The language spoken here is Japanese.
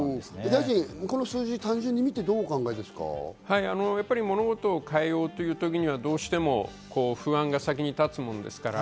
大臣、この数字を単純に見て物事を変えようという時にはどうしても不安が先に立つものですから、